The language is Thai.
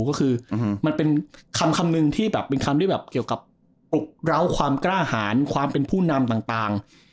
ก็คือมันเป็นคำนึงที่แบบเป็นคำที่แบบเกี่ยวกับอุกร้าวความกล้าหารความเป็นผู้นำต่าง